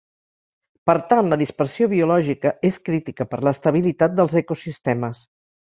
Per tant, la dispersió biològica és crítica per l'estabilitat dels ecosistemes.